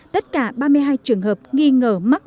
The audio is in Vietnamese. tất cả ba mươi hai trường hợp nghi ngờ mắc